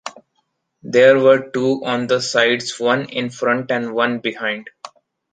There were two on the sides, one in front and one behind.